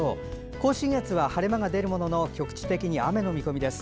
甲信越は晴れ間が出るものの局地的に雨の見込みです。